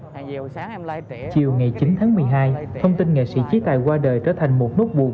chiều ngày chín tháng một mươi hai thông tin nghệ sĩ chế tài qua đời trở thành một nút buồn